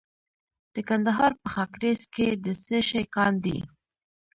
د کندهار په خاکریز کې د څه شي کان دی؟